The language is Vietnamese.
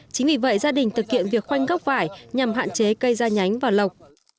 chính vì vậy gia đình thực hiện việc khoanh gốc vải nhằm hạn chế cây ra nhánh và lộc